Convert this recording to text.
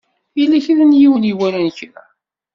Yella kra n yiwen i iwalan kra.